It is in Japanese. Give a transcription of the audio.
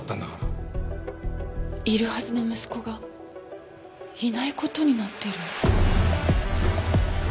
いるはずの息子がいない事になってる？